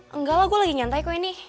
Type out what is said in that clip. enggak lah gue lagi nyantai kok ini